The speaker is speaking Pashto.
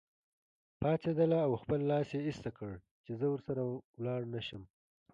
پاڅېدله او خپل لاس یې ایسته کړ چې زه ورسره ولاړ نه شم.